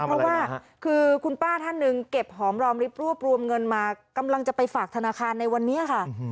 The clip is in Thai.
เพราะว่าคือคุณป้าท่านหนึ่งเก็บหอมรอมริบรวบรวมเงินมากำลังจะไปฝากธนาคารในวันนี้ค่ะ